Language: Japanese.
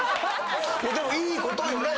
でもいいことよね。